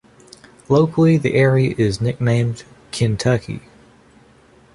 Locally the area is nicknamed "Kentucky".